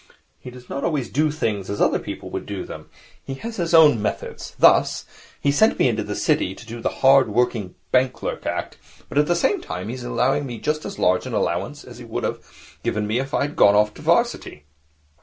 He does not always do things as other people would do them. He has his own methods. Thus, he has sent me into the City to do the hard working, bank clerk act, but at the same time he is allowing me just as large an allowance as he would have given me if I had gone to the 'Varsity.